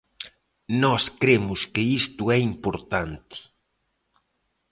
Nós cremos que isto é importante.